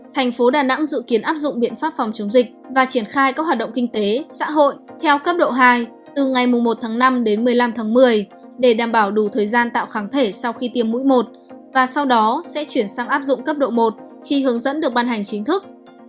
thành phố đà nẵng dự kiến áp dụng biện pháp phòng chống dịch và triển khai các hoạt động kinh tế xã hội theo cấp độ hai từ ngày một tháng năm đến một mươi năm tháng một mươi để đảm bảo đủ thời gian tạo kháng thể sau khi tiêm mũi một và sau đó sẽ chuyển sang áp dụng cấp độ một khi hướng dẫn được ban hành chính thức